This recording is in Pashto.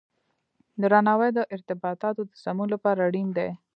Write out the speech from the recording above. درناوی د ارتباطاتو د سمون لپاره اړین دی.